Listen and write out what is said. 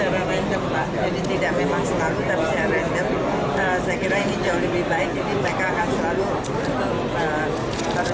kita cek secara random pak jadi tidak memang selalu kita bisa random